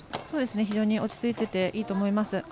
非常に落ち着いていていいと思います。